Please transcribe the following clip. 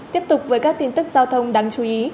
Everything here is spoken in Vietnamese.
tiếp tục với các tin tức giao thông đáng chú ý